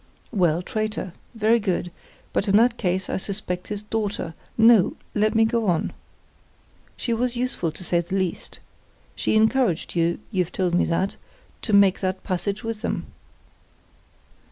"Well, traitor. Very good; but in that case I suspect his daughter. No! let me go on. She was useful, to say the least. She encouraged you—you've told me that—to make that passage with them."